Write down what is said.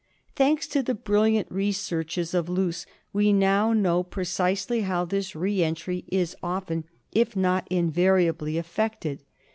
Thanks to the brilliant researches of Loos, we now know precisely how this re entry is often, if not invari ANKYLOSTOMIASIS. 17 ably, effected.